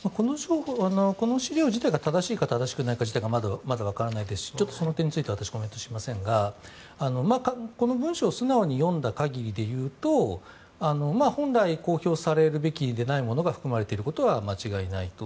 この資料自体が正しいか正しくないか自体はまだわからないですしちょっとその点については私、コメントしませんがこの文書を素直に読んだ限りで言うと本来公表されるべきでないものが含まれていることは間違いないと。